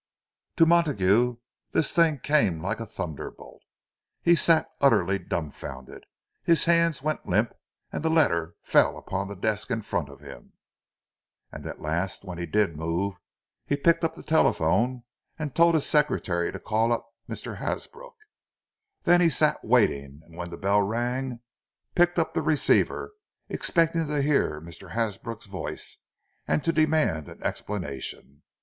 To Montague the thing came like a thunderbolt. He sat utterly dumbfounded—his hands went limp, and the letter fell upon the desk in front of him. And at last, when he did move, he picked up the telephone, and told his secretary to call up Mr. Hasbrook. Then he sat waiting; and when the bell rang, picked up the receiver, expecting to hear Mr. Hasbrook's voice, and to demand an explanation.